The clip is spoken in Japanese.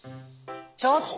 ちょっと！